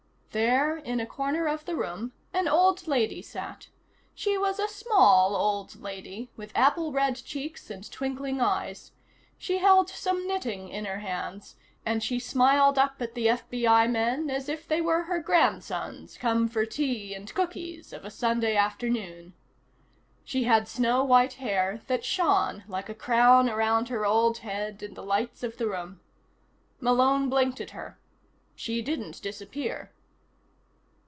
There, in a corner of the room, an old lady sat. She was a small old lady, with apple red cheeks and twinkling eyes. She held some knitting in her hands, and she smiled up at the FBI men as if they were her grandsons come for tea and cookies, of a Sunday afternoon. She had snow white hair that shone like a crown around her old head in the lights of the room. Malone blinked at her. She didn't disappear.